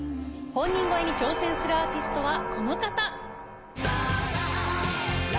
本人超えに挑戦するアーティストはこの方。